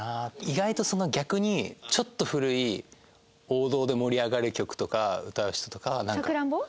意外と逆にちょっと古い王道で盛り上がる曲とか歌う人とかはなんか。